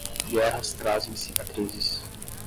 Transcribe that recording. Guerras trazem cicatrizes.